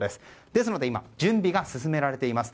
ですので今、準備が進められています。